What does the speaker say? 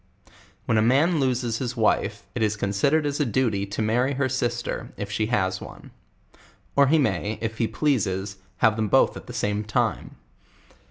When a man loses his wife, it is considered as a .duty to marry her sister, if she has one; or he may, if he pie . have them both at the same time.